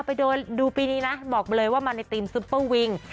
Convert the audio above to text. ไปดูปีนี้นะบอกเลยว่ามาในทีมซุปเปอร์วิง